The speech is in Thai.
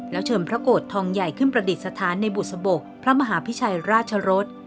แล้วเชิญพระโกรธทองใหญ่ขึ้นประดิษฐานในบุษบกพระมหาพิชัยราชรส